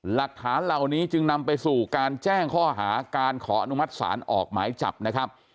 หลักฐานเหล่านี้จึงนำไปสู่การแจ้งข้อหาการขออนุมัติศาลออกหมายจับนะครับ